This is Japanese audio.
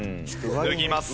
脱ぎます。